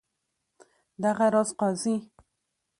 دغه راز قاضي.